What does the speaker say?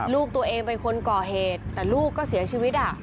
ลูกตัวเองเป็นคนก่อเหตุแต่ลูกก็เสียชีวิต